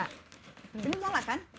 ini nyala kan